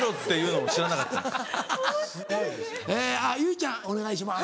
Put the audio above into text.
ちゃんお願いします。